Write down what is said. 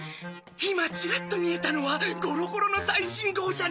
今ちらっと見えたのは『ゴロゴロ』の最新号じゃないか！